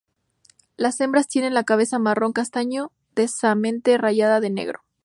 Las hembras tienen la cabeza marrón castaño densamente rayada de negro.